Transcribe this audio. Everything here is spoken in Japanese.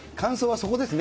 そうですね。